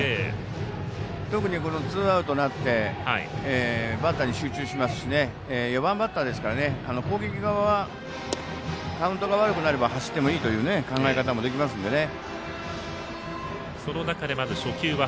特にツーアウトになってバッターに集中しますし４番バッターですから攻撃側はカウントが悪くなれば走ってもいいという考え方もできますのでね。